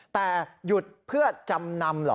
แต่หยุดเพื่อจำนำเหรอ